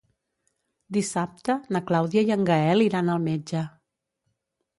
Dissabte na Clàudia i en Gaël iran al metge.